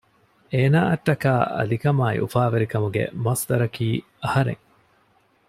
އޭނާއަށްޓަކައި އަލިކަމާއި އުފާވެރިކަމުގެ މަޞްދަރަކީ އަހަރެން